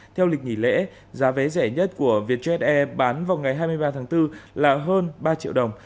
theo lịch nghỉ lễ giá vé rẻ nhất của vietjet air bán vào ngày hai mươi ba tháng bốn là hơn ba triệu đồng